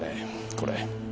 これ。